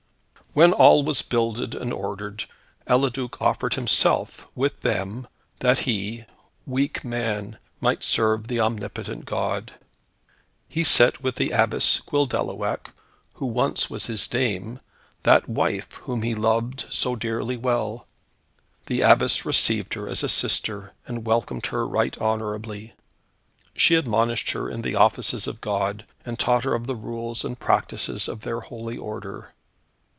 When all was builded and ordered, Eliduc offered himself, with them, that he weak man might serve the omnipotent God. He set with the Abbess Guildeluec who once was his dame that wife whom he loved so dearly well. The Abbess received her as a sister, and welcomed her right honourably. She admonished her in the offices of God, and taught her of the rules and practice of their holy Order.